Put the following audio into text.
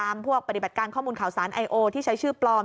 พวกปฏิบัติการข้อมูลข่าวสารไอโอที่ใช้ชื่อปลอม